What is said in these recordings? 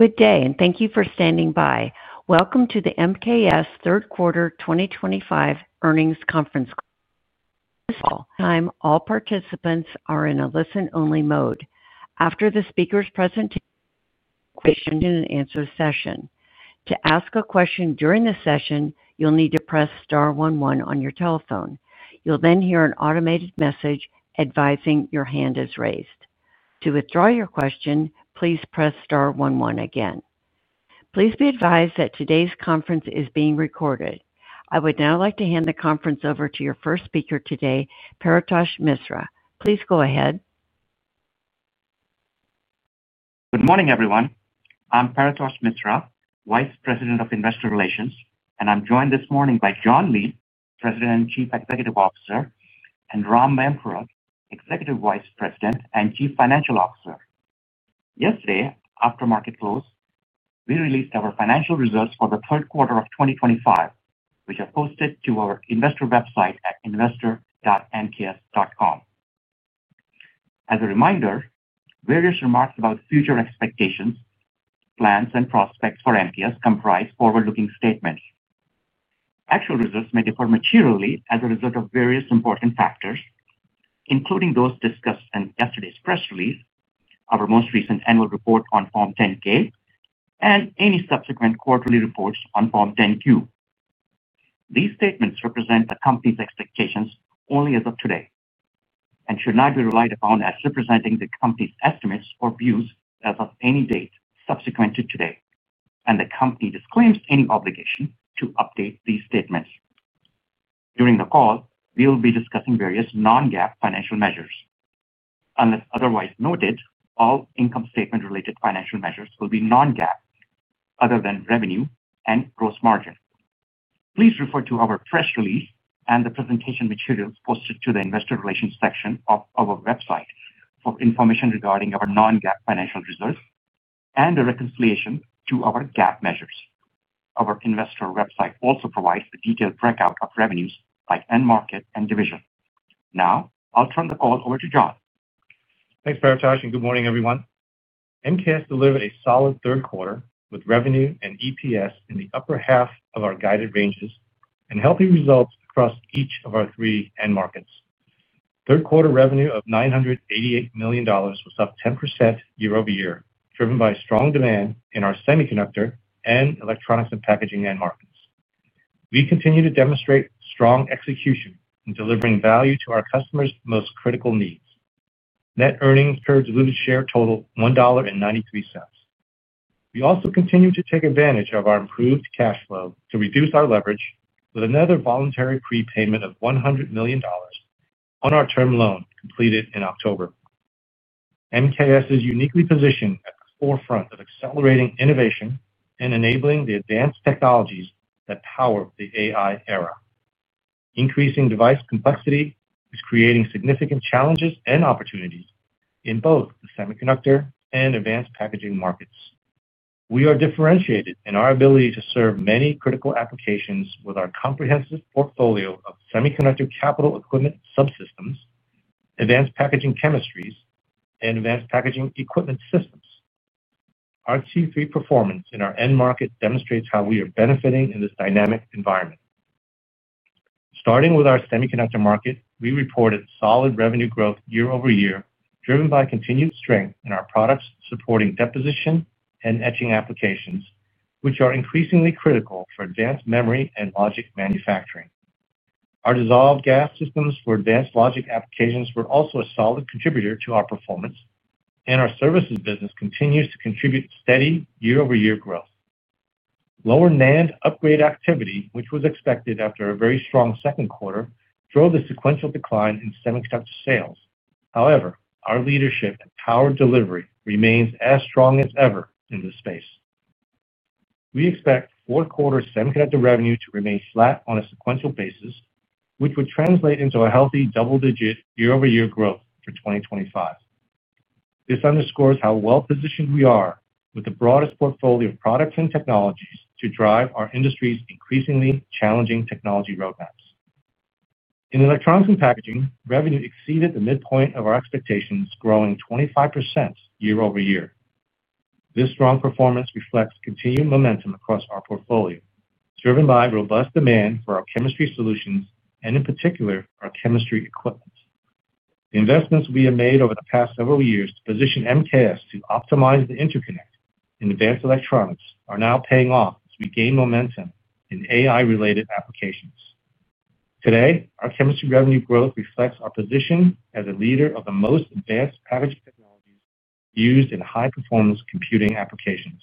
Good day, and thank you for standing by. Welcome to the MKS third quarter 2025 earnings conference call. At this time, all participants are in a listen-only mode. After the speaker's presentation, there will be a question and answer session. To ask a question during the session, you'll need to press star one one on your telephone. You'll then hear an automated message advising your hand is raised. To withdraw your question, please press star one one again. Please be advised that today's conference is being recorded. I would now like to hand the conference over to your first speaker today, Paretosh Misra. Please go ahead. Good morning, everyone. I'm Paretosh Misra, Vice President of Investor Relations, and I'm joined this morning by John Lee, President and Chief Executive Officer, and Ram Mayampurath, Executive Vice President and Chief Financial Officer. Yesterday, after market close, we released our financial results for the third quarter of 2025, which are posted to our investor website at investor.mks.com. As a reminder, various remarks about future expectations, plans, and prospects for MKS comprise forward-looking statements. Actual results may differ materially as a result of various important factors, including those discussed in yesterday's press release, our most recent annual report on Form 10-K, and any subsequent quarterly reports on Form 10-Q. These statements represent the company's expectations only as of today and should not be relied upon as representing the company's estimates or views as of any date subsequent to today, and the company disclaims any obligation to update these statements. During the call, we will be discussing various non-GAAP financial measures. Unless otherwise noted, all income statement-related financial measures will be non-GAAP other than revenue and gross margin. Please refer to our press release and the presentation materials posted to the Investor Relations section of our website for information regarding our non-GAAP financial results and the reconciliation to our GAAP measures. Our investor website also provides a detailed breakout of revenues, like end market and division. Now, I'll turn the call over to John. Thanks, Paretosh, and good morning, everyone. MKS delivered a solid third quarter with revenue and EPS in the upper half of our guided ranges and healthy results across each of our three end markets. Third quarter revenue of $988 million was up 10% year-over-year, driven by strong demand in our semiconductor and electronics and packaging end markets. We continue to demonstrate strong execution in delivering value to our customers' most critical needs. Net earnings per diluted share total $1.93. We also continue to take advantage of our improved cash flow to reduce our leverage with another voluntary prepayment of $100 million on our term loan completed in October. MKS is uniquely positioned at the forefront of accelerating innovation and enabling the advanced technologies that power the AI era. Increasing device complexity is creating significant challenges and opportunities in both the semiconductor and advanced packaging markets. We are differentiated in our ability to serve many critical applications with our comprehensive portfolio of semiconductor capital equipment subsystems, advanced packaging chemistries, and advanced packaging equipment systems. Our Q3 performance in our end market demonstrates how we are benefiting in this dynamic environment. Starting with our Semiconductor market, we reported solid revenue growth year over year, driven by continued strength in our products supporting deposition and etching applications, which are increasingly critical for advanced memory and logic manufacturing. Our dissolved gas systems for advanced logic applications were also a solid contributor to our performance, and our services business continues to contribute steady year-over-year growth. Lower NAND upgrade activity, which was expected after a very strong second quarter, drove the sequential decline in semiconductor sales. However, our leadership and power delivery remains as strong as ever in this space. We expect fourth quarter semiconductor revenue to remain flat on a sequential basis, which would translate into a healthy double-digit year-over-year growth for 2025. This underscores how well-positioned we are with the broadest portfolio of products and technologies to drive our industry's increasingly challenging technology roadmaps. In Electronics and Packaging, revenue exceeded the midpoint of our expectations, growing 25% year over year. This strong performance reflects continued momentum across our portfolio, driven by robust demand for our chemistry solutions and, in particular, our chemistry equipment. The investments we have made over the past several years to position MKS to optimize the interconnect in advanced electronics are now paying off as we gain momentum in AI-related applications. Today, our chemistry revenue growth reflects our position as a leader of the most advanced packaging technologies used in high-performance computing applications.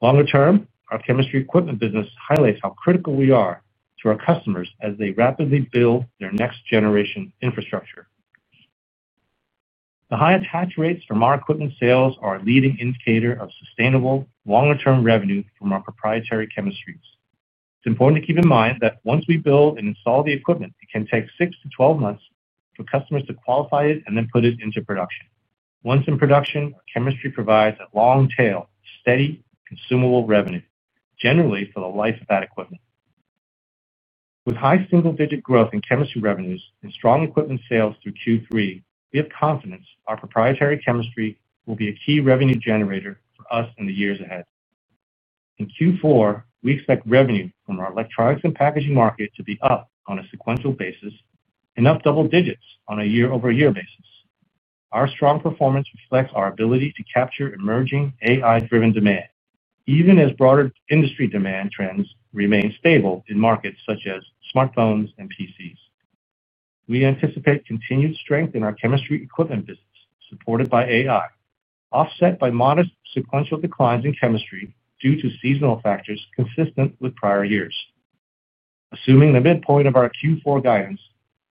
Longer term, our chemistry equipment business highlights how critical we are to our customers as they rapidly build their next-generation infrastructure. The high attach rates from our equipment sales are a leading indicator of sustainable longer-term revenue from our proprietary chemistries. It's important to keep in mind that once we build and install the equipment, it can take six to 12 months for customers to qualify it and then put it into production. Once in production, chemistry provides a long-tail, steady, consumable revenue, generally for the life of that equipment. With high single-digit growth in chemistry revenues and strong equipment sales through Q3, we have confidence our proprietary chemistry will be a key revenue generator for us in the years ahead. In Q4, we expect revenue from our electronics and packaging market to be up on a sequential basis, and up double digits on a year-over-year basis. Our strong performance reflects our ability to capture emerging AI-driven demand, even as broader industry demand trends remain stable in markets such as smartphones and PCs. We anticipate continued strength in our chemistry equipment business, supported by AI, offset by modest sequential declines in chemistry due to seasonal factors consistent with prior years. Assuming the midpoint of our Q4 guidance,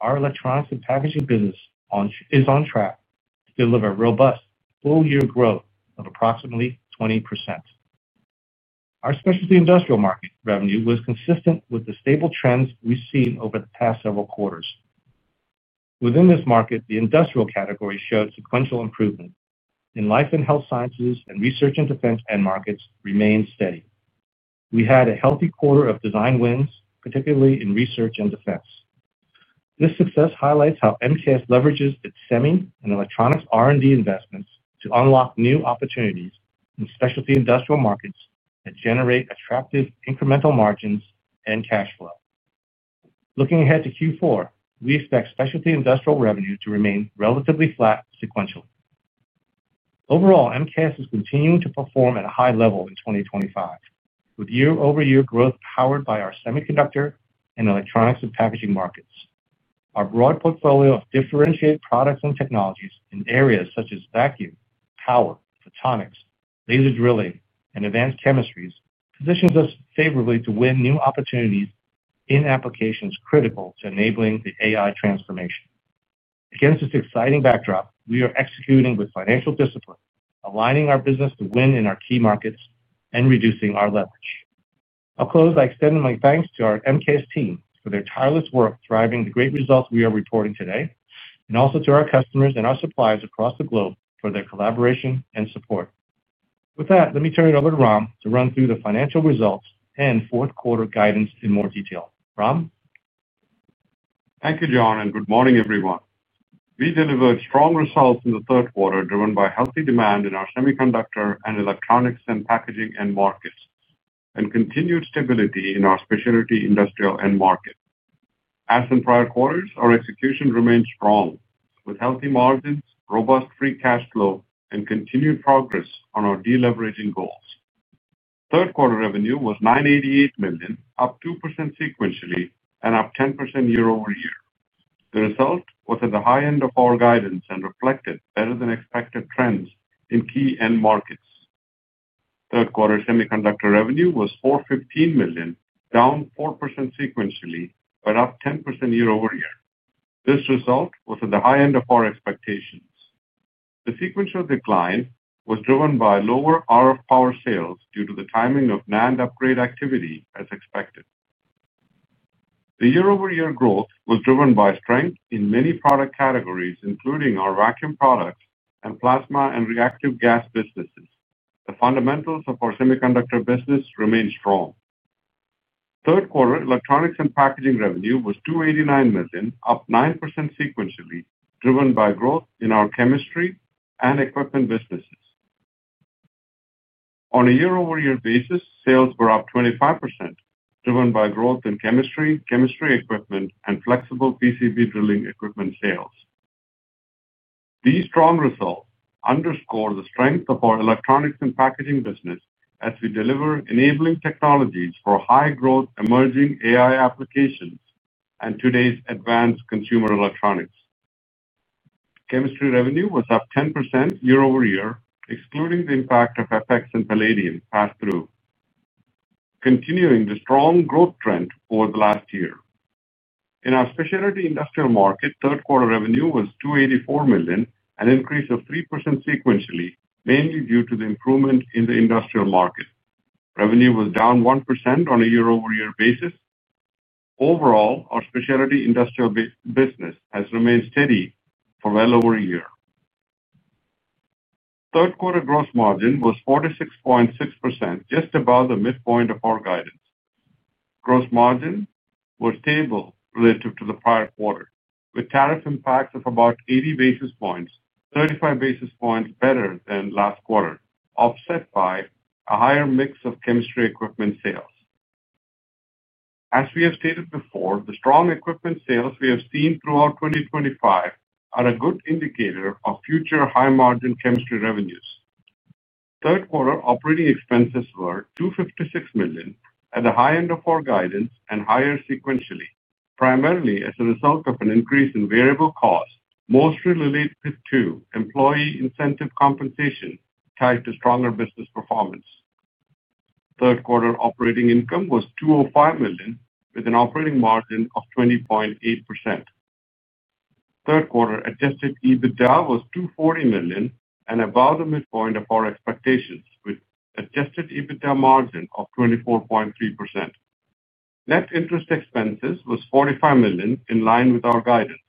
our electronics and packaging business is on track to deliver robust full-year growth of approximately 20%. Our Specialty Industrial market revenue was consistent with the stable trends we've seen over the past several quarters. Within this market, the industrial category showed sequential improvement, and life and health sciences and research and defense end markets remained steady. We had a healthy quarter of design wins, particularly in research and defense. This success highlights how MKS leverages its semi and electronics R&D investments to unlock new opportunities in specialty industrial markets that generate attractive incremental margins and cash flow. Looking ahead to Q4, we expect specialty industrial revenue to remain relatively flat sequentially. Overall, MKS is continuing to perform at a high level in 2025, with year-over-year growth powered by our semiconductor and electronics and packaging markets. Our broad portfolio of differentiated products and technologies in areas such as vacuum, power, photonics, laser drilling, and advanced chemistries positions us favorably to win new opportunities in applications critical to enabling the AI transformation. Against this exciting backdrop, we are executing with financial discipline, aligning our business to win in our key markets and reducing our leverage. I'll close by extending my thanks to our MKS team for their tireless work driving the great results we are reporting today, and also to our customers and our suppliers across the globe for their collaboration and support. With that, let me turn it over to Ram to run through the financial results and fourth quarter guidance in more detail. Ram. Thank you, John, and good morning, everyone. We delivered strong results in the third quarter, driven by healthy demand in our semiconductor and electronics and packaging end markets and continued stability in our specialty industrial end market. As in prior quarters, our execution remained strong, with healthy margins, robust free cash flow, and continued progress on our deleveraging goals. Third quarter revenue was $988 million, up 2% sequentially and up 10% year-over-year. The result was at the high end of our guidance and reflected better-than-expected trends in key end markets. Third quarter Semiconductor revenue was $415 million, down 4% sequentially but up 10% year-over-year. This result was at the high end of our expectations. The sequential decline was driven by lower RF power sales due to the timing of NAND upgrade activity, as expected. The year-over-year growth was driven by strength in many product categories, including our vacuum products and plasma and reactive gas businesses. The fundamentals of our Semiconductor business remained strong. Third quarter Electronics and Packaging revenue was $289 million, up 9% sequentially, driven by growth in our chemistry and equipment businesses. On a year-over-year basis, sales were up 25%, driven by growth in chemistry, chemistry equipment, and flexible PCB drilling equipment sales. These strong results underscore the strength of our electronics and packaging business as we deliver enabling technologies for high-growth emerging AI applications and today's advanced consumer electronics. Chemistry revenue was up 10% year over year, excluding the impact of FX and palladium pass-through. Continuing the strong growth trend over the last year. In our Specialty Industrial market, third quarter revenue was $284 million, an increase of 3% sequentially, mainly due to the improvement in the industrial market. Revenue was down 1% on a year-over-year basis. Overall, our specialty industrial business has remained steady for well over a year. Third quarter gross margin was 46.6%, just above the midpoint of our guidance. Gross margin was stable relative to the prior quarter, with tariff impacts of about 80 basis points, 35 basis points better than last quarter, offset by a higher mix of chemistry equipment sales. As we have stated before, the strong equipment sales we have seen throughout 2025 are a good indicator of future high-margin chemistry revenues. Third quarter operating expenses were $256 million, at the high end of our guidance and higher sequentially, primarily as a result of an increase in variable costs, mostly related to employee incentive compensation tied to stronger business performance. Third quarter operating income was $205 million, with an operating margin of 20.8%. Third quarter adjusted EBITDA was $240 million and above the midpoint of our expectations, with adjusted EBITDA margin of 24.3%. Net interest expenses were $45 million, in line with our guidance.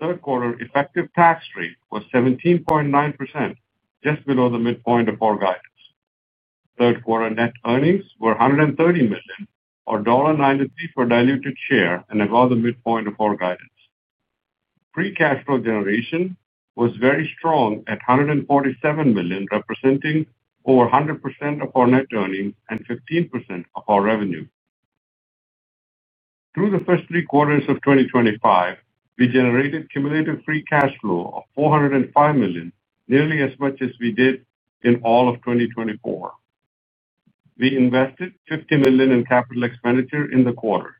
Third quarter effective tax rate was 17.9%, just below the midpoint of our guidance. Third quarter net earnings were $130 million, or $1.93 per diluted share, and above the midpoint of our guidance. Free cash flow generation was very strong at $147 million, representing over 100% of our net earnings and 15% of our revenue. Through the first three quarters of 2025, we generated cumulative free cash flow of $405 million, nearly as much as we did in all of 2024. We invested $50 million in capital expenditure in the quarter.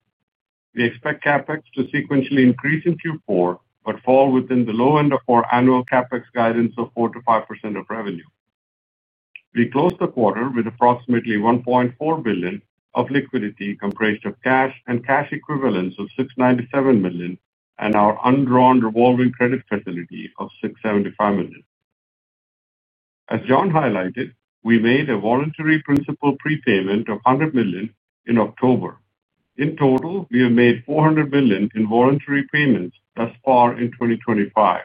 We expect CapEx to sequentially increase in Q4 but fall within the low end of our annual CapEx guidance of 4%-5% of revenue. We closed the quarter with approximately $1.4 billion of liquidity, comprised of cash and cash equivalents of $697 million and our undrawn revolving credit facility of $675 million. As John highlighted, we made a voluntary principal prepayment of $100 million in October. In total, we have made $400 million in voluntary payments thus far in 2025.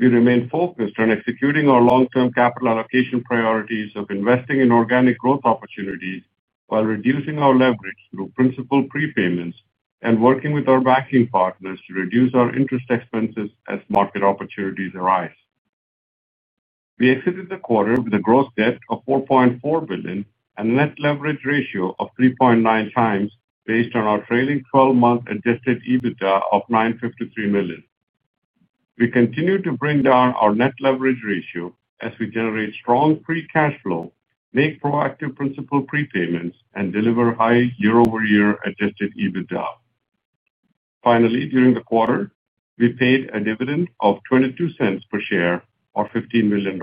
We remain focused on executing our long-term capital allocation priorities of investing in organic growth opportunities while reducing our leverage through principal prepayments and working with our banking partners to reduce our interest expenses as market opportunities arise. We exited the quarter with a gross debt of $4.4 billion and a net leverage ratio of 3.9x, based on our trailing 12-month adjusted EBITDA of $953 million. We continue to bring down our net leverage ratio as we generate strong free cash flow, make proactive principal prepayments, and deliver high year-over-year adjusted EBITDA. Finally, during the quarter, we paid a dividend of $0.22 per share, or $15 million.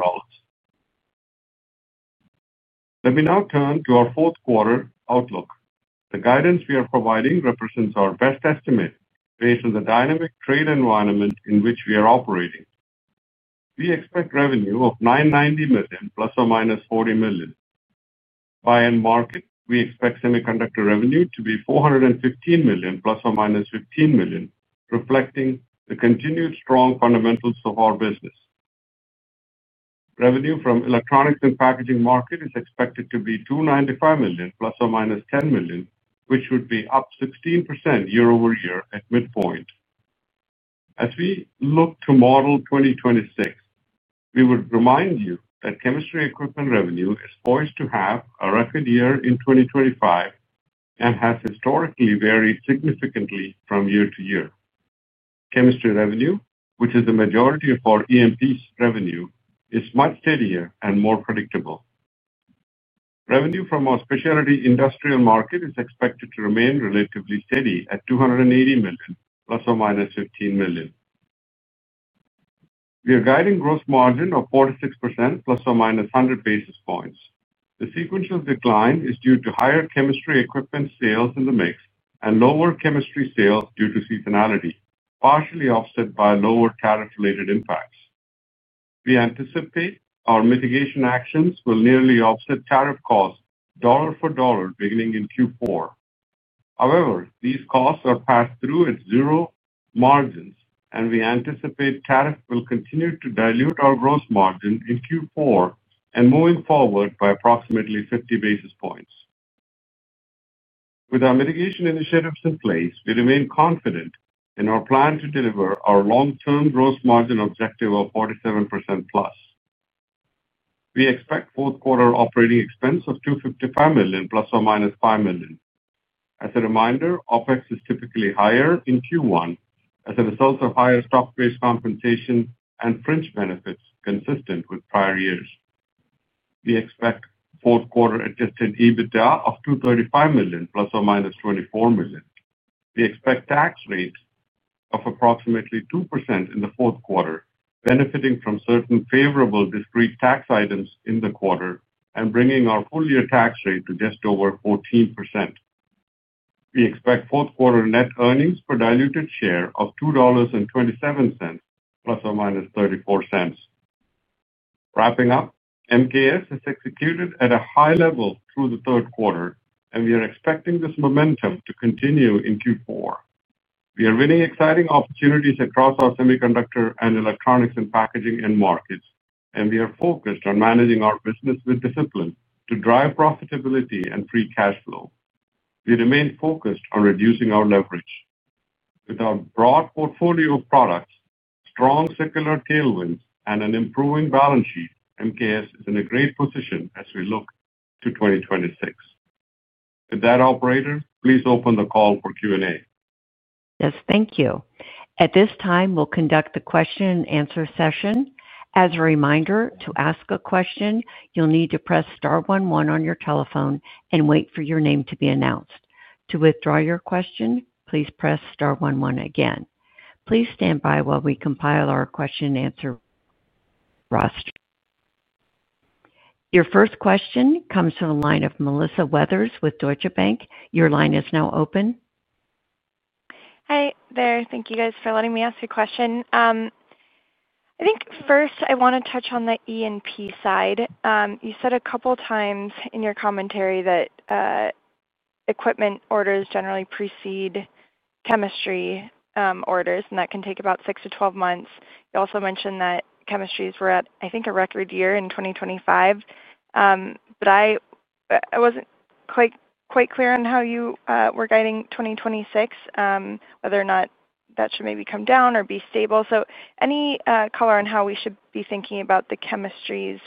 Let me now turn to our fourth quarter outlook. The guidance we are providing represents our best estimate based on the dynamic trade environment in which we are operating. We expect revenue of $990 million, ±$40 million. By end market, we expect semiconductor revenue to be $415 million, ±$15 million, reflecting the continued strong fundamentals of our business. Revenue from electronics and packaging market is expected to be $295 million, ±$10 million, which would be up 16% year-over-year at midpoint. As we look to model 2026, we would remind you that chemistry equipment revenue is poised to have a record year in 2025 and has historically varied significantly from year to year. Chemistry revenue, which is the majority of our E&P revenue, is much steadier and more predictable. Revenue from our Specialty Industrial market is expected to remain relatively steady at $280 million, ±$15 million. We are guiding gross margin of 4%-6%, ±100 basis points. The sequential decline is due to higher chemistry equipment sales in the mix and lower chemistry sales due to seasonality, partially offset by lower tariff-related impacts. We anticipate our mitigation actions will nearly offset tariff costs, dollar for dollar, beginning in Q4. However, these costs are passed through at zero margins, and we anticipate tariffs will continue to dilute our gross margin in Q4 and moving forward by approximately 50 basis points. With our mitigation initiatives in place, we remain confident in our plan to deliver our long-term gross margin objective of 47% plus. We expect fourth quarter operating expense of $255 million, ±$5 million. As a reminder, OpEx is typically higher in Q1 as a result of higher stock-based compensation and fringe benefits consistent with prior years. We expect fourth quarter adjusted EBITDA of $235 million, ±$24 million. We expect tax rates of approximately 2% in the fourth quarter, benefiting from certain favorable discrete tax items in the quarter and bringing our full-year tax rate to just over 14%. We expect fourth quarter net earnings per diluted share of $2.27, ±$0.34. Wrapping up, MKS has executed at a high level through the third quarter, and we are expecting this momentum to continue in Q4. We are winning exciting opportunities across our semiconductor and electronics and packaging end markets, and we are focused on managing our business with discipline to drive profitability and free cash flow. We remain focused on reducing our leverage. With our broad portfolio of products, strong secular tailwinds, and an improving balance sheet, MKS is in a great position as we look to 2026. With that, operator, please open the call for Q&A. Yes, thank you. At this time, we'll conduct the question-and-answer session. As a reminder, to ask a question, you'll need to press star one one on your telephone and wait for your name to be announced. To withdraw your question, please press star one one again. Please stand by while we compile our question-and-answer roster. Your first question comes from the line of Melissa Weathers with Deutsche Bank. Your line is now open. Hey, there. Thank you, guys, for letting me ask a question. I think first I want to touch on the E&P side. You said a couple of times in your commentary that equipment orders generally precede chemistry orders, and that can take about six to 12 months. You also mentioned that chemistries were at, I think, a record year in 2025. I was not quite clear on how you were guiding 2026, whether or not that should maybe come down or be stable. Any color on how we should be thinking about the chemistry's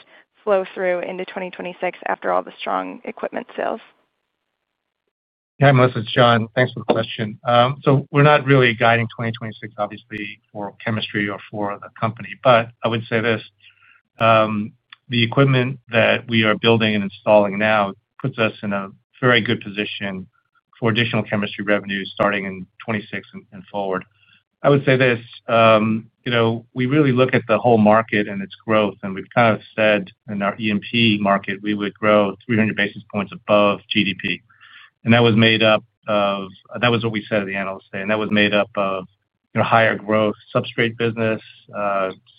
flow-through into 2026 after all the strong equipment sales? Yeah, Melissa, it's John. Thanks for the question. We're not really guiding 2026, obviously, for chemistry or for the company. I would say this. The equipment that we are building and installing now puts us in a very good position for additional chemistry revenue starting in 2026 and forward. I would say this. We really look at the whole market and its growth, and we've kind of said in our E&P market, we would grow 300 basis points above GDP. That was what we said at the analyst day, and that was made up of higher growth substrate business,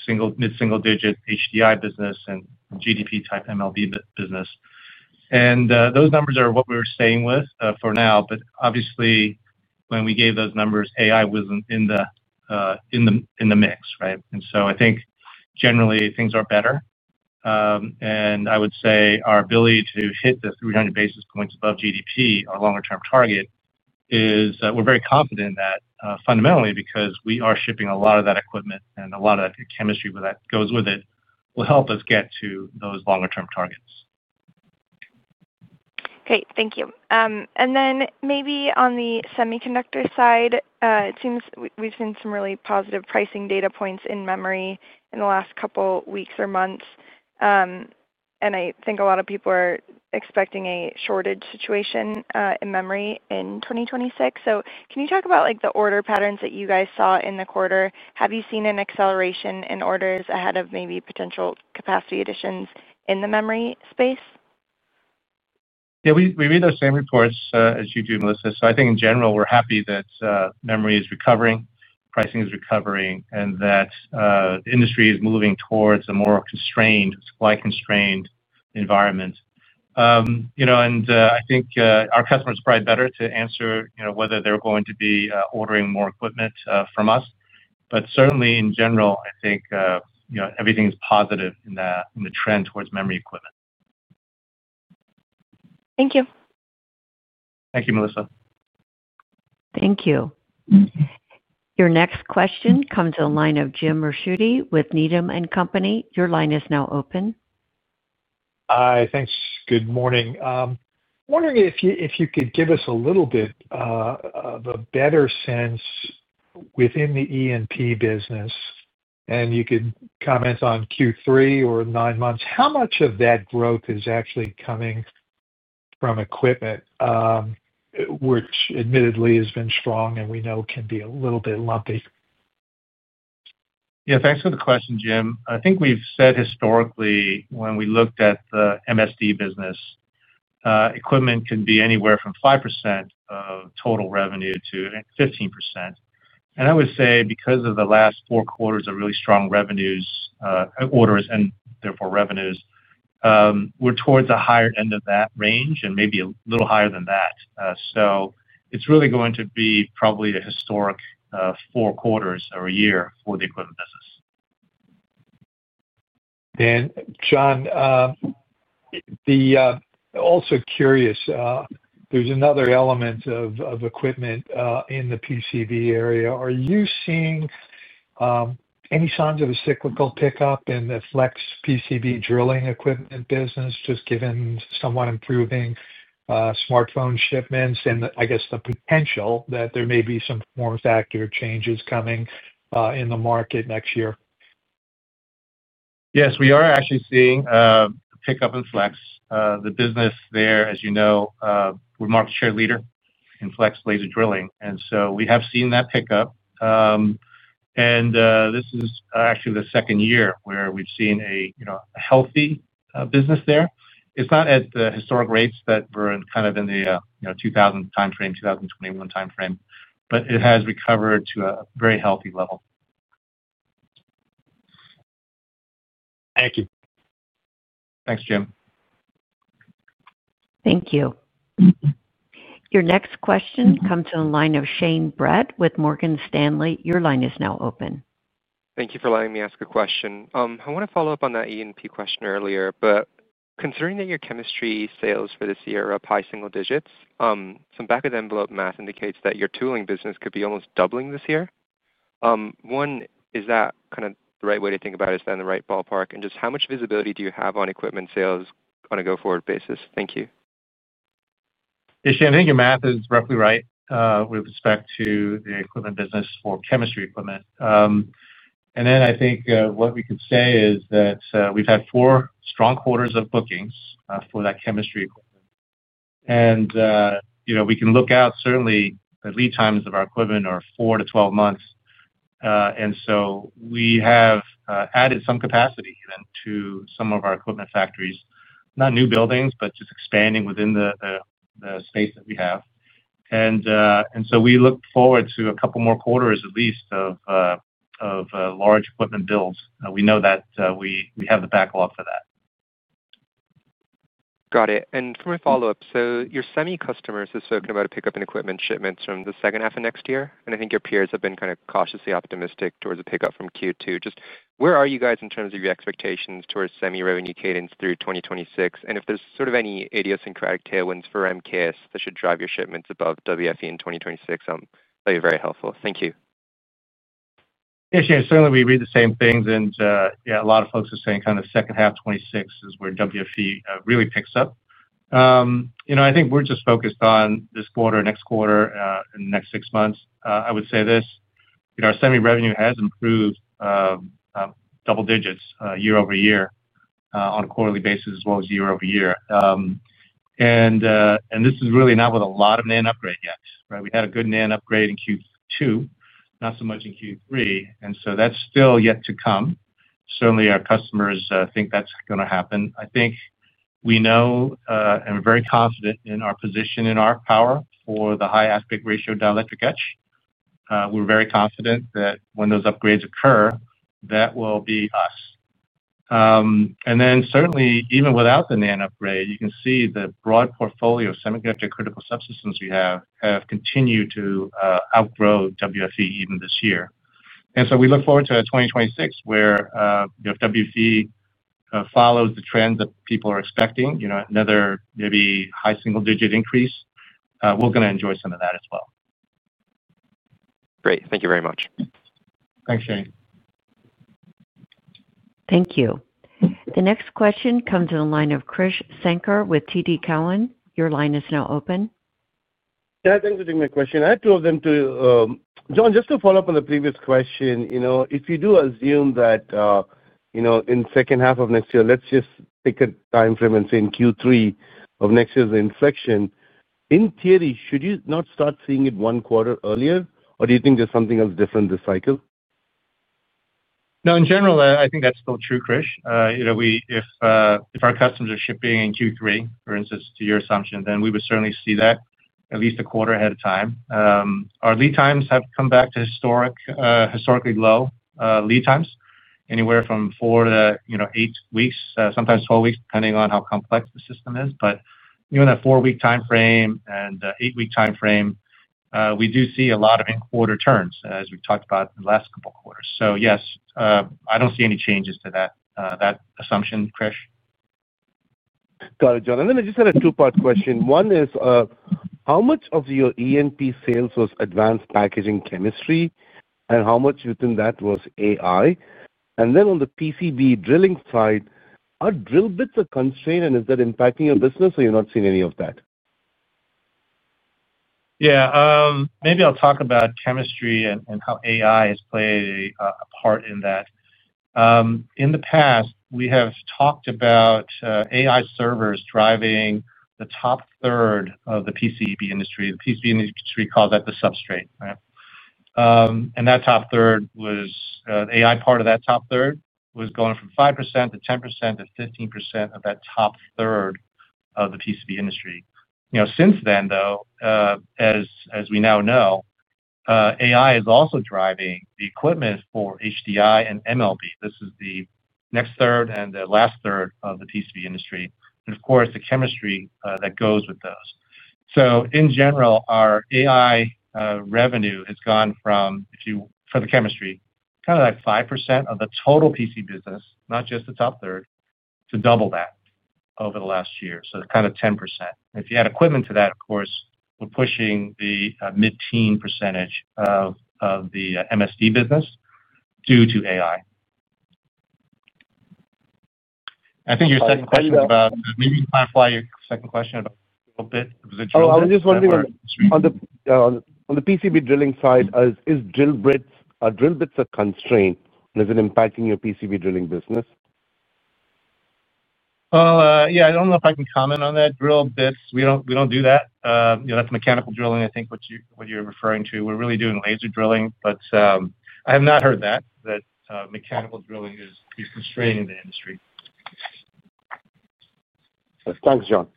mid-single-digit HDI business, and GDP-type MLB business. Those numbers are what we are staying with for now. Obviously, when we gave those numbers, AI was not in the mix, right? I think, generally, things are better. Our ability to hit the 300 basis points above GDP, our longer-term target, is we're very confident in that fundamentally because we are shipping a lot of that equipment, and a lot of that chemistry that goes with it will help us get to those longer-term targets. Great. Thank you. Maybe on the semiconductor side, it seems we've seen some really positive pricing data points in memory in the last couple of weeks or months. I think a lot of people are expecting a shortage situation in memory in 2026. Can you talk about the order patterns that you guys saw in the quarter? Have you seen an acceleration in orders ahead of maybe potential capacity additions in the memory space? Yeah, we read those same reports as you do, Melissa. I think, in general, we're happy that memory is recovering, pricing is recovering, and that the industry is moving towards a more supply-constrained environment. I think our customers are probably better to answer whether they're going to be ordering more equipment from us. Certainly, in general, I think everything is positive in the trend towards memory equipment. Thank you. Thank you, Melissa. Thank you. Your next question comes in the line of Jim Ricchiuti with Needham & Company. Your line is now open. Hi, thanks. Good morning. I'm wondering if you could give us a little bit of a better sense within the E&P business. If you could comment on Q3 or nine months, how much of that growth is actually coming from equipment, which admittedly has been strong and we know can be a little bit lumpy? Yeah, thanks for the question, Jim. I think we've said historically, when we looked at the MSD business. Equipment can be anywhere from 5% of total revenue to 15%. I would say, because of the last four quarters of really strong orders and therefore revenues, we're towards a higher end of that range and maybe a little higher than that. It is really going to be probably a historic four quarters or a year for the equipment business. John, also curious, there's another element of equipment in the PCB area. Are you seeing any signs of a cyclical pickup in the flex PCB drilling equipment business, just given somewhat improving smartphone shipments and, I guess, the potential that there may be some form factor changes coming in the market next year? Yes, we are actually seeing a pickup in flex. The business there, as you know, we're market share leader in flex laser drilling. And so we have seen that pickup. This is actually the second year where we've seen a healthy business there. It's not at the historic rates that were kind of in the 2000 timeframe, 2021 timeframe, but it has recovered to a very healthy level. Thank you. Thanks, Jim. Thank you. Your next question comes in the line of Shane Brett with Morgan Stanley. Your line is now open. Thank you for letting me ask a question. I want to follow up on that E&P question earlier, but considering that your chemistry sales for this year are up high single digits, some back-of-the-envelope math indicates that your tooling business could be almost doubling this year. One, is that kind of the right way to think about it? Is that in the right ballpark? Just how much visibility do you have on equipment sales on a go-forward basis? Thank you. Yeah, Shane, I think your math is roughly right with respect to the equipment business for chemistry equipment. I think what we can say is that we've had four strong quarters of bookings for that chemistry equipment. We can look out, certainly, the lead times of our equipment are four to 12 months. We have added some capacity to some of our equipment factories, not new buildings, but just expanding within the space that we have. We look forward to a couple more quarters, at least, of large equipment builds. We know that we have the backlog for that. Got it. For a follow-up, your semi-customers have spoken about a pickup in equipment shipments from the second half of next year. I think your peers have been kind of cautiously optimistic towards a pickup from Q2. Just where are you guys in terms of your expectations towards semi-revenue cadence through 2026? If there is sort of any idiosyncratic tailwinds for MKS that should drive your shipments above WFE in 2026, that would be very helpful. Thank you. Yeah, Shane, certainly we read the same things. Yeah, a lot of folks are saying kind of second half 2026 is where WFE really picks up. I think we're just focused on this quarter, next quarter, and the next six months. I would say this. Our Semi revenue has improved. Double digits year-over-year on a quarterly basis as well as year-over-year. This is really not with a lot of NAND upgrade yet, right? We had a good NAND upgrade in Q2, not so much in Q3. That is still yet to come. Certainly, our customers think that is going to happen. I think we know and are very confident in our position and our power for the high aspect ratio dielectric etch. We're very confident that when those upgrades occur, that will be us. Certainly, even without the NAND upgrade, you can see the broad portfolio of semiconductor critical subsystems we have has continued to outgrow WFE even this year. We look forward to 2026 where if WFE follows the trend that people are expecting, another maybe high single-digit increase, we're going to enjoy some of that as well. Great. Thank you very much. Thanks, Shane. Thank you. The next question comes in the line of Krish Sankar with TD Cowen. Your line is now open. Yeah, thanks for taking my question. I had two of them too. John, just to follow up on the previous question, if you do assume that in the second half of next year, let's just take a timeframe and say in Q3 of next year's inflection, in theory, should you not start seeing it one quarter earlier, or do you think there's something else different this cycle? No, in general, I think that's still true, Krish. If our customers are shipping in Q3, for instance, to your assumption, then we would certainly see that at least a quarter ahead of time. Our lead times have come back to historically low lead times, anywhere from four to eight weeks, sometimes 12 weeks, depending on how complex the system is. Even a four-week timeframe and eight-week timeframe, we do see a lot of in-quarter turns, as we talked about in the last couple of quarters. Yes, I don't see any changes to that assumption, Krish. Got it, John. I just had a two-part question. One is, how much of your E&P sales was advanced packaging chemistry, and how much within that was AI? On the PCB drilling side, are drill bits a constraint, and is that impacting your business, or you're not seeing any of that? Yeah, maybe I'll talk about chemistry and how AI has played a part in that. In the past, we have talked about AI servers driving the top third of the PCB industry. The PCB industry calls that the substrate, right? That top third was the AI part of that top third was going from 5% to 10% to 15% of that top third of the PCB industry. Since then, though, as we now know, AI is also driving the equipment for HDI and MLB. This is the next third and the last third of the PCB industry. Of course, the chemistry that goes with those. In general, our AI revenue has gone from, for the chemistry, kind of like 5% of the total PCB business, not just the top third, to double that over the last year, so kind of 10%. If you add equipment to that, of course, we're pushing the mid-teen percentage of the MSD business. Due to AI. I think your second question is about, maybe you can clarify your second question about drill bits. I was just wondering, on the PCB drilling side, is drill bits a constraint, and is it impacting your PCB drilling business? I do not know if I can comment on that. Drill bits, we do not do that. That is mechanical drilling, I think, what you are referring to. We are really doing laser drilling, but I have not heard that mechanical drilling is constraining the industry. Thanks, John.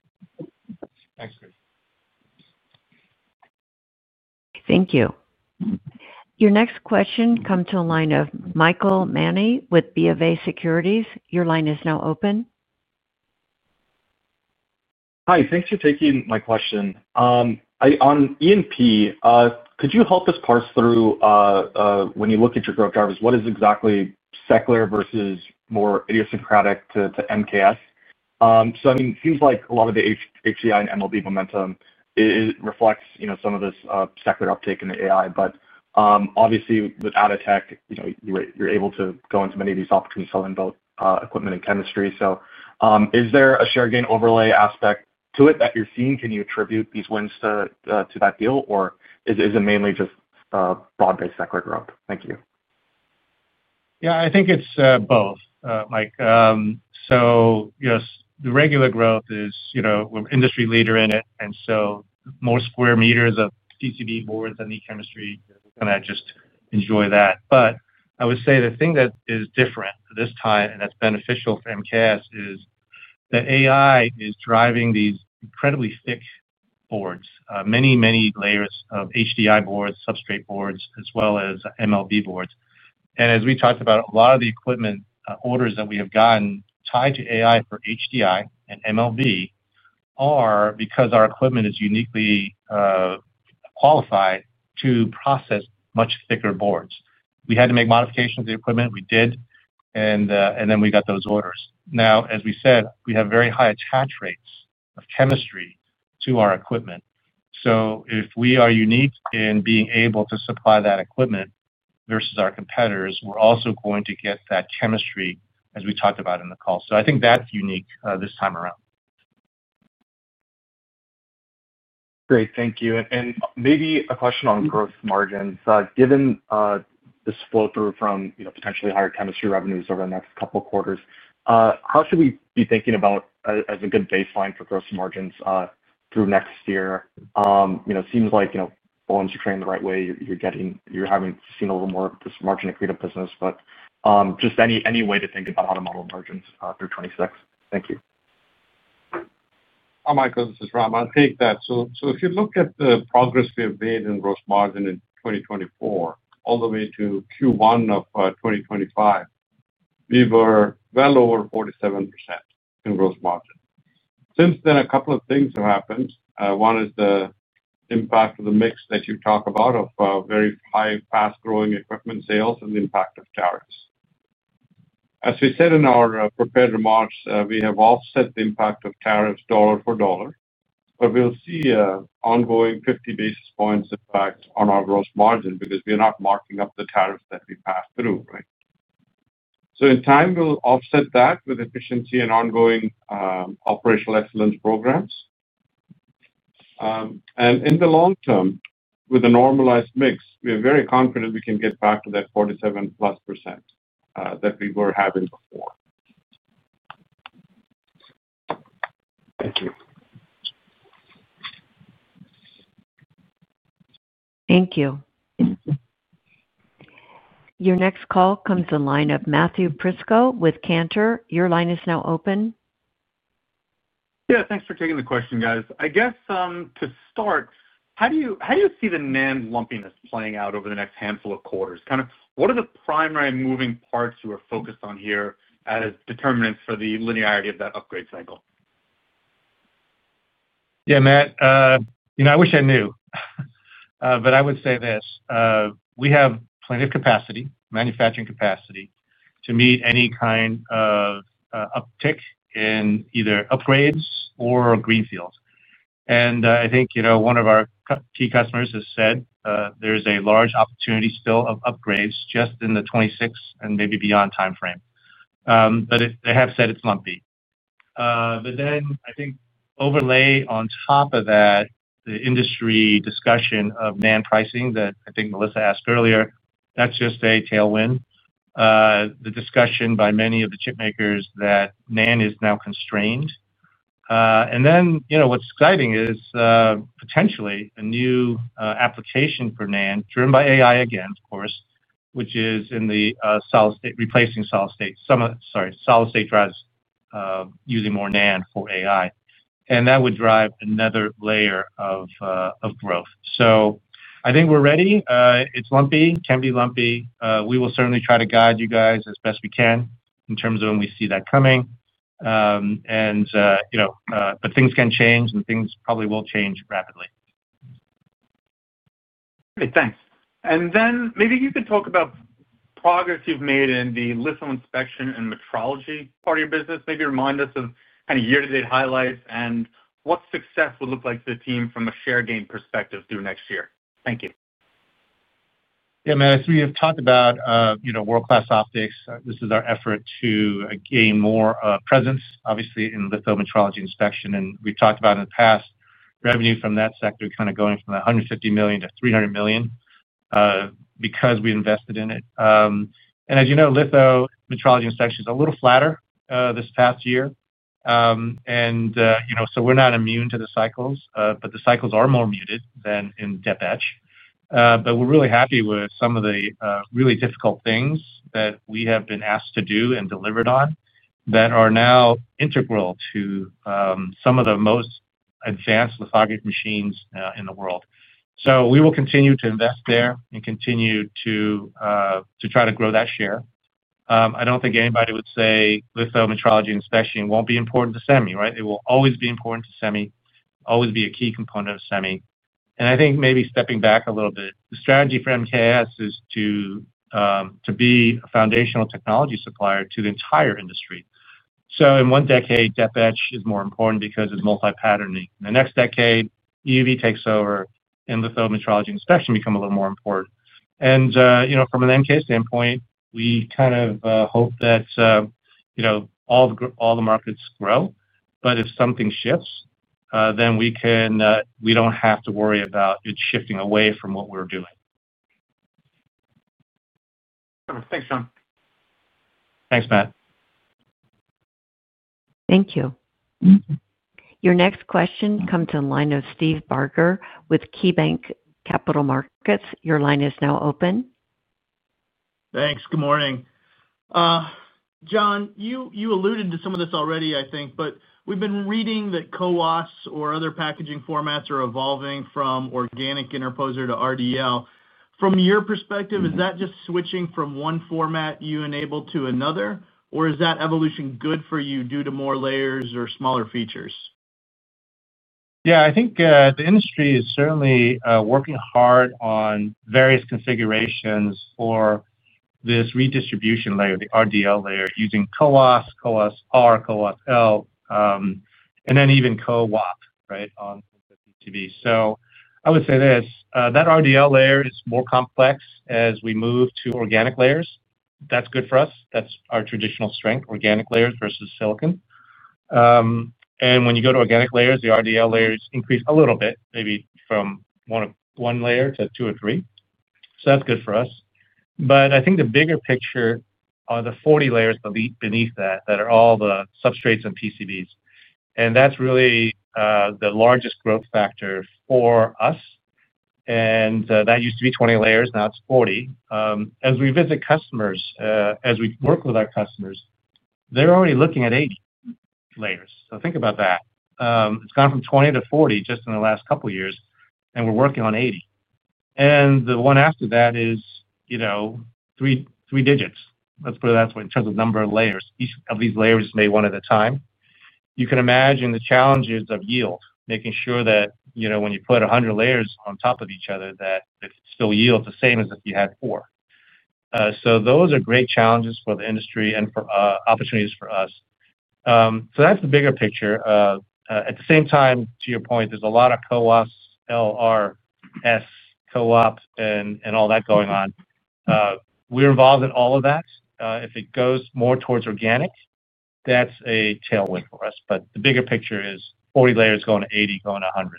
Thanks, Krish. Thank you. Your next question comes to the line of Michael Mani with BofA Securities. Your line is now open. Hi, thanks for taking my question. On E&P, could you help us parse through. When you look at your growth drivers, what is exactly secular versus more idiosyncratic to MKS? I mean, it seems like a lot of the HDI and MLB momentum reflects some of this secular uptake in the AI. Obviously, with Atotech, you're able to go into many of these opportunities to sell in both equipment and chemistry. Is there a share gain overlay aspect to it that you're seeing? Can you attribute these wins to that deal, or is it mainly just broad-based secular growth? Thank you. Yeah, I think it's both, Mike. The regular growth is, we're an industry leader in it, and more square meters of PCB boards than the chemistry, we're going to just enjoy that. I would say the thing that is different this time and that's beneficial for MKS is that AI is driving these incredibly thick boards, many, many layers of HDI boards, substrate boards, as well as MLB boards. As we talked about, a lot of the equipment orders that we have gotten tied to AI for HDI and MLB are because our equipment is uniquely qualified to process much thicker boards. We had to make modifications to the equipment. We did, and then we got those orders. Now, as we said, we have very high attach rates of chemistry to our equipment. If we are unique in being able to supply that equipment versus our competitors, we're also going to get that chemistry, as we talked about in the call. I think that's unique this time around. Great. Thank you. Maybe a question on gross margins. Given this flow through from potentially higher chemistry revenues over the next couple of quarters, how should we be thinking about as a good baseline for gross margins through next year? It seems like volumes are trending the right way. You are having seen a little more of this margin accretive business. Just any way to think about how to model margins through 2026. Thank you. Hi, Michael. This is Ram. I'll take that. If you look at the progress we have made in gross margin in 2024, all the way to Q1 of 2025, we were well over 47% in gross margin. Since then, a couple of things have happened. One is the impact of the mix that you talk about of very high fast-growing equipment sales and the impact of tariffs. As we said in our prepared remarks, we have offset the impact of tariffs dollar for dollar. We'll see ongoing 50 basis points impact on our gross margin because we are not marking up the tariffs that we pass through, right? In time, we'll offset that with efficiency and ongoing operational excellence programs. In the long term, with a normalized mix, we are very confident we can get back to that 47%+ that we were having before. Thank you. Thank you. Your next call comes in the line of Matthew Prisco with Cantor. Your line is now open. Yeah, thanks for taking the question, guys. I guess to start, how do you see the NAND lumpiness playing out over the next handful of quarters? Kind of what are the primary moving parts you are focused on here as determinants for the linearity of that upgrade cycle? Yeah, Matt. I wish I knew. I would say this. We have plenty of capacity, manufacturing capacity, to meet any kind of uptick in either upgrades or greenfields. I think one of our key customers has said there is a large opportunity still of upgrades just in the 2026 and maybe beyond timeframe. They have said it is lumpy. I think overlay on top of that, the industry discussion of NAND pricing that I think Melissa asked earlier, that is just a tailwind. The discussion by many of the chipmakers that NAND is now constrained. What is exciting is potentially a new application for NAND, driven by AI again, of course, which is in the solid state replacing solid state—sorry, solid state drives. Using more NAND for AI. That would drive another layer of growth. I think we are ready. It is lumpy. It can be lumpy. We will certainly try to guide you guys as best we can in terms of when we see that coming. Things can change, and things probably will change rapidly. Great. Thanks. Maybe you could talk about progress you've made in the litho-inspection and metrology part of your business. Maybe remind us of kind of year-to-date highlights and what success would look like to the team from a share gain perspective through next year. Thank you. Yeah, Matt. As we have talked about. World-class optics, this is our effort to gain more presence, obviously, in lithometrology inspection. And we've talked about in the past revenue from that sector kind of going from $150 million to $300 million. Because we invested in it. And as you know, lithometrology inspection is a little flatter this past year. We are not immune to the cycles, but the cycles are more muted than in depth etch. We are really happy with some of the really difficult things that we have been asked to do and delivered on that are now integral to some of the most advanced lithographic machines in the world. We will continue to invest there and continue to try to grow that share. I do not think anybody would say lithometrology inspection will not be important to Semi, right? It will always be important to Semi, always be a key component of Semi. I think maybe stepping back a little bit, the strategy for MKS is to be a foundational technology supplier to the entire industry. In one decade, depth etch is more important because it's multi-patterning. In the next decade, EUV takes over, and lithometrology inspection becomes a little more important. From an MKS standpoint, we kind of hope that all the markets grow. If something shifts, then we do not have to worry about it shifting away from what we're doing. Thanks, John. Thanks, Matt. Thank you. Your next question comes in the line of Steve Barger with KeyBanc Capital Markets. Your line is now open. Thanks. Good morning. John, you alluded to some of this already, I think, but we've been reading that CoWoS or other packaging formats are evolving from organic interposer to RDL. From your perspective, is that just switching from one format you enable to another, or is that evolution good for you due to more layers or smaller features? Yeah, I think the industry is certainly working hard on various configurations for this redistribution layer, the RDL layer, using CoWoS, CoWoS-R, CoWoS-L. And then even CoWoS, right, on the PCB. I would say this. That RDL layer is more complex as we move to organic layers. That's good for us. That's our traditional strength, organic layers versus silicon. When you go to organic layers, the RDL layers increase a little bit, maybe from one layer to two or three. That's good for us. I think the bigger picture are the 40 layers beneath that that are all the substrates and PCBs. That's really the largest growth factor for us. That used to be 20 layers. Now it's 40. As we visit customers, as we work with our customers, they're already looking at 80 layers. Think about that. It's gone from 20 to 40 just in the last couple of years, and we're working on 80. The one after that is three digits. Let's put it that way in terms of number of layers. Each of these layers is made one at a time. You can imagine the challenges of yield, making sure that when you put 100 layers on top of each other, that it still yields the same as if you had four. Those are great challenges for the industry and for opportunities for us. That's the bigger picture. At the same time, to your point, there's a lot of co-ops, LRS, co-op, and all that going on. We're involved in all of that. If it goes more towards organic, that's a tailwind for us. The bigger picture is 40 layers going to 80, going to 100.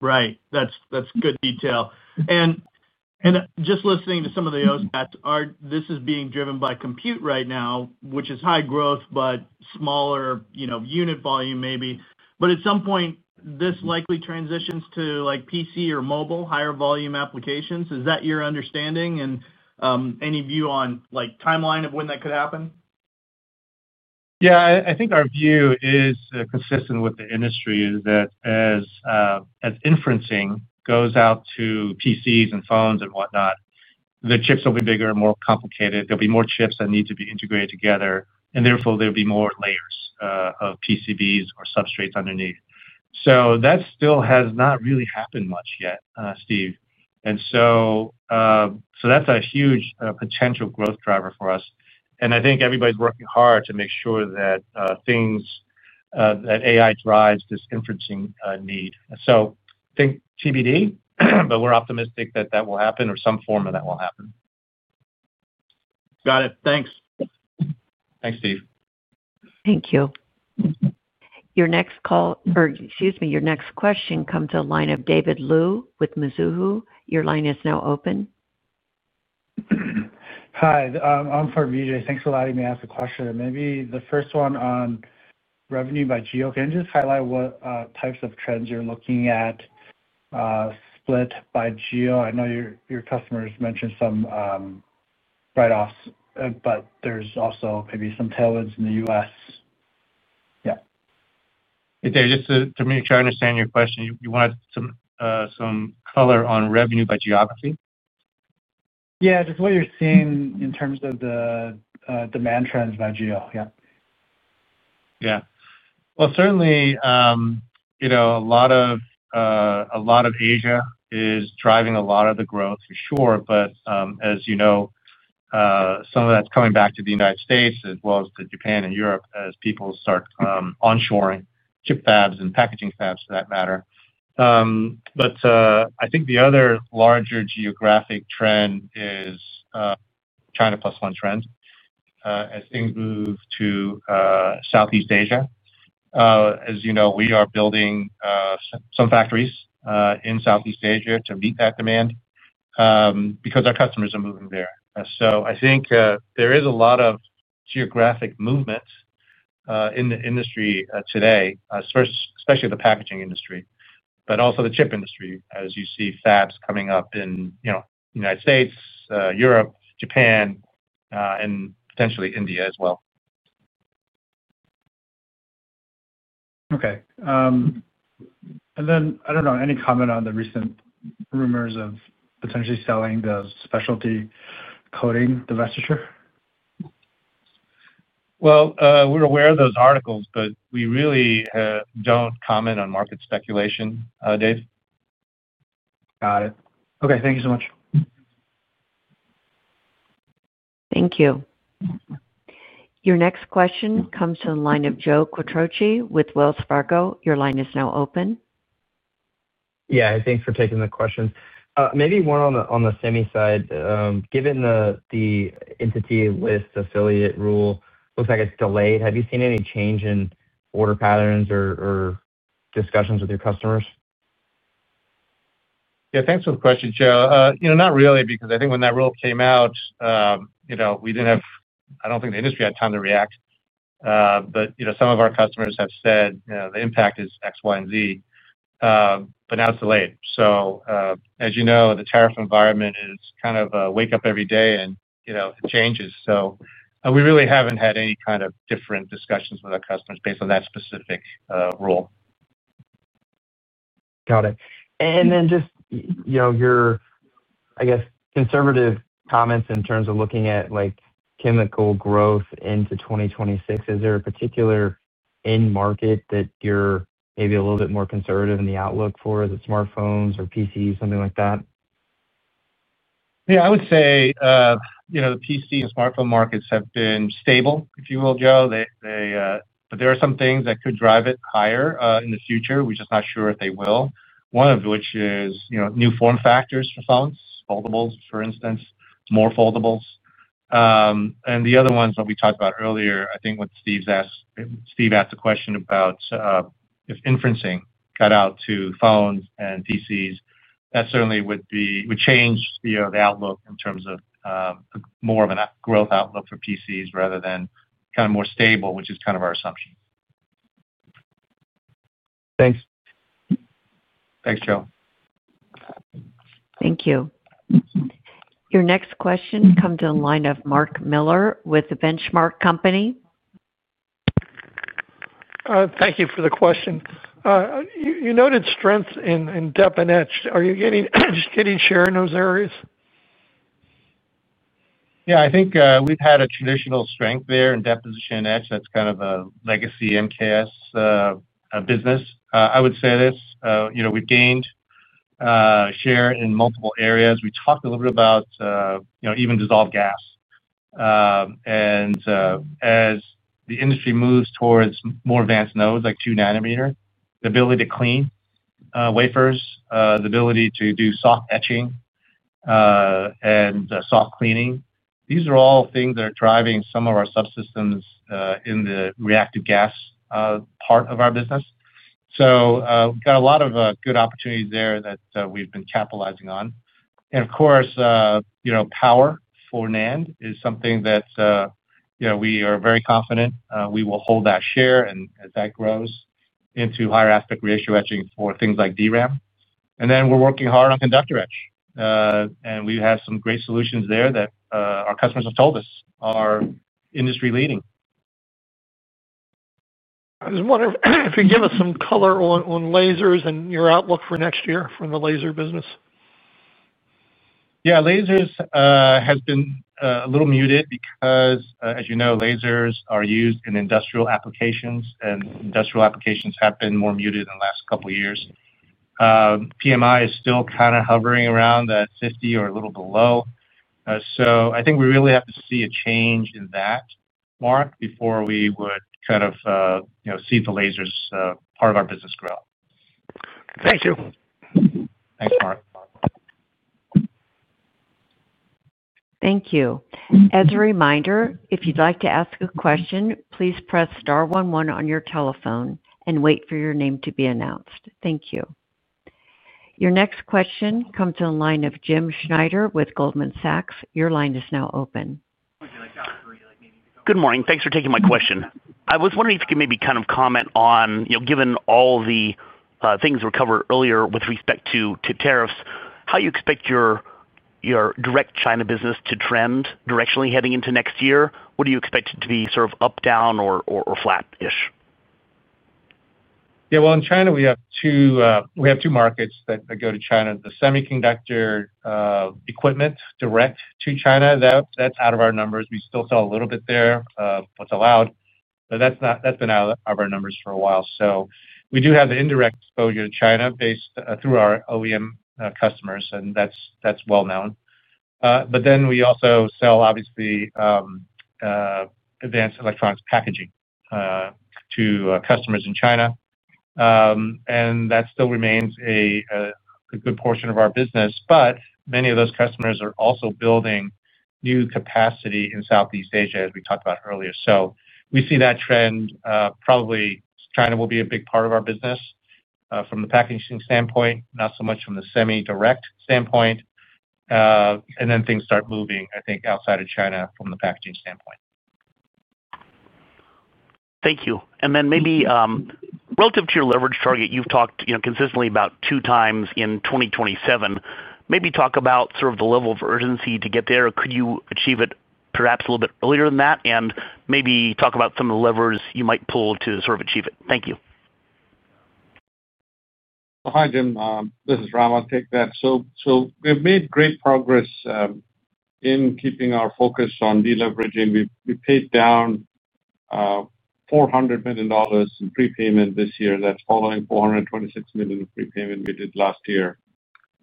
Right. That's good detail. And just listening to some of the OSATs, this is being driven by compute right now, which is high growth, but smaller unit volume maybe. At some point, this likely transitions to PC or mobile, higher volume applications. Is that your understanding? Any view on timeline of when that could happen? Yeah. I think our view is consistent with the industry is that as inferencing goes out to PCs and phones and whatnot, the chips will be bigger, more complicated. There will be more chips that need to be integrated together. Therefore, there will be more layers of PCBs or substrates underneath. That still has not really happened much yet, Steve. That is a huge potential growth driver for us. I think everybody's working hard to make sure that things, that AI drives this inferencing need. Think TBD, but we're optimistic that that will happen or some form of that will happen. Got it. Thanks. Thanks, Steve. Thank you. Your next question comes in the line of David Liu with Mizuho. Your line is now open. Hi. Thanks for letting me ask a question. Maybe the first one on revenue by geo. Can you just highlight what types of trends you're looking at, split by geo? I know your customers mentioned some write-offs, but there's also maybe some tailwinds in the U.S. Yeah. Hey, Dave, just to make sure I understand your question, you wanted some color on revenue by geography? Yeah. Just what you're seeing in terms of the demand trends by geo. Yeah. Yeah. Certainly, a lot of Asia is driving a lot of the growth, for sure. As you know, some of that's coming back to the United States as well as to Japan and Europe as people start onshoring chip fabs and packaging fabs for that matter. I think the other larger geographic trend is the China plus one trend as things move to Southeast Asia. As you know, we are building some factories in Southeast Asia to meet that demand because our customers are moving there. I think there is a lot of geographic movement in the industry today, especially the packaging industry, but also the chip industry, as you see fabs coming up in the United States, Europe, Japan, and potentially India as well. Okay. I do not know, any comment on the recent rumors of potentially selling the specialty coating divestiture? We are aware of those articles, but we really do not comment on market speculation, Dave. Got it. Okay. Thank you so much. Thank you. Your next question comes in the line of Joe Quatrocci with Wells Fargo. Your line is now open. Yeah. Thanks for taking the question. Maybe one on the Semi side. Given the entity list affiliate rule, it looks like it's delayed. Have you seen any change in order patterns or discussions with your customers? Yeah. Thanks for the question, Joe. Not really, because I think when that rule came out. We did not have—I do not think the industry had time to react. Some of our customers have said the impact is X, Y, and Z. Now it is delayed. As you know, the tariff environment is kind of a wake-up every day, and it changes. We really have not had any kind of different discussions with our customers based on that specific rule. Got it. And then just your, I guess, conservative comments in terms of looking at chemical growth into 2026. Is there a particular end market that you're maybe a little bit more conservative in the outlook for, as smartphones or PCs, something like that? Yeah. I would say the PC and smartphone markets have been stable, if you will, Joe. There are some things that could drive it higher in the future. We're just not sure if they will. One of which is new form factors for phones, foldables, for instance, more foldables. The other ones that we talked about earlier, I think when Steve asked the question about if inferencing got out to phones and PCs, that certainly would change the outlook in terms of more of a growth outlook for PCs rather than kind of more stable, which is kind of our assumption. Thanks. Thanks, Joe. Thank you. Your next question comes in the line of Mark Miller with The Benchmark Company. Thank you for the question. You noted strengths in depth and etch. Are you getting share in those areas? Yeah. I think we've had a traditional strength there in deposition and etch. That's kind of a legacy MKS business. I would say this. We've gained share in multiple areas. We talked a little bit about even dissolved gas. As the industry moves towards more advanced nodes like two nanometers, the ability to clean wafers, the ability to do soft etching and soft cleaning, these are all things that are driving some of our subsystems in the reactive gas part of our business. We've got a lot of good opportunities there that we've been capitalizing on. Of course, power for NAND is something that we are very confident we will hold that share as that grows into higher aspect ratio etching for things like DRAM. We are working hard on conductor etch. We have some great solutions there that our customers have told us are industry-leading. I was wondering if you could give us some color on lasers and your outlook for next year from the laser business. Yeah. Lasers has been a little muted because, as you know, lasers are used in industrial applications, and industrial applications have been more muted in the last couple of years. PMI is still kind of hovering around that 50 or a little below. I think we really have to see a change in that, Mark, before we would kind of see the lasers part of our business grow. Thank you. Thanks, Mark. Thank you. As a reminder, if you'd like to ask a question, please press star one one on your telephone and wait for your name to be announced. Thank you. Your next question comes in the line of Jim Schneider with Goldman Sachs. Your line is now open. Good morning. Thanks for taking my question. I was wondering if you could maybe kind of comment on, given all the things that were covered earlier with respect to tariffs, how you expect your direct China business to trend directionally heading into next year? What do you expect it to be sort of up, down, or flat-ish? Yeah. In China, we have two markets that go to China. The semiconductor equipment direct to China, that's out of our numbers. We still sell a little bit there, what's allowed. That's been out of our numbers for a while. We do have the indirect exposure to China through our OEM customers, and that's well-known. We also sell, obviously, advanced electronics packaging to customers in China. That still remains a good portion of our business. Many of those customers are also building new capacity in Southeast Asia, as we talked about earlier. We see that trend. Probably China will be a big part of our business from the packaging standpoint, not so much from the semi-direct standpoint. Things start moving, I think, outside of China from the packaging standpoint. Thank you. Maybe relative to your leverage target, you've talked consistently about two times in 2027. Maybe talk about sort of the level of urgency to get there. Could you achieve it perhaps a little bit earlier than that? Maybe talk about some of the levers you might pull to sort of achieve it. Thank you. Hi, Jim. This is Rama. Take that. We have made great progress in keeping our focus on deleveraging. We paid down $400 million in prepayment this year. That is following $426 million of prepayment we did last year.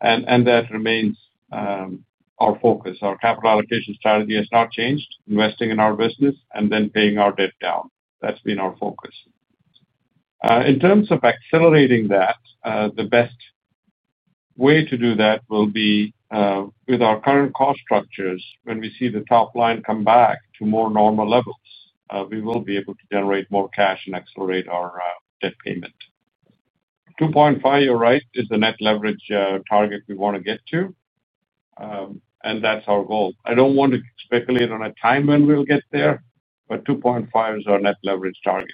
That remains our focus. Our capital allocation strategy has not changed. Investing in our business and then paying our debt down, that has been our focus. In terms of accelerating that, the best way to do that will be with our current cost structures. When we see the top line come back to more normal levels, we will be able to generate more cash and accelerate our debt payment. 2.5, you are right, is the net leverage target we want to get to. That is our goal. I do not want to speculate on a time when we will get there, but 2.5 is our net leverage target.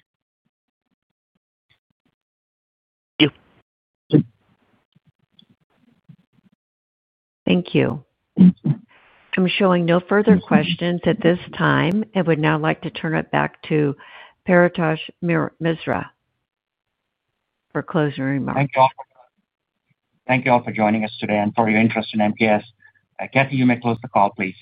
Thank you. Thank you. I'm showing no further questions at this time. I would now like to turn it back to Paretosh Misra for closing remarks. Thank you all for joining us today and for your interest in MKS. Kathy, you may close the call, please.